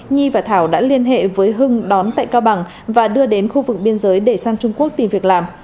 nhi và thảo đã liên hệ với hưng đón tại cao bằng và đưa đến khu vực biên giới để sang trung quốc tìm việc làm